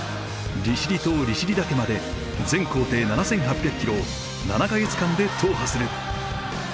利尻島利尻岳まで全行程７，８００キロを７か月間で踏破する。